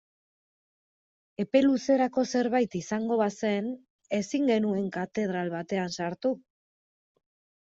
Epe luzerako zerbait izango bazen ezin genuen katedral batean sartu.